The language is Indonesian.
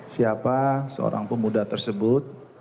siapa seorang pemuda tersebut